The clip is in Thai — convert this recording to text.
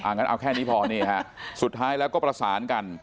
งั้นเอาแค่นี้พอนี่ฮะสุดท้ายแล้วก็ประสานกัน